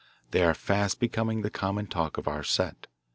They are fast becoming the common talk of our set.